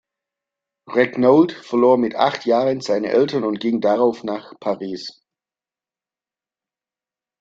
Regnault verlor mit acht Jahren seine Eltern und ging darauf nach Paris.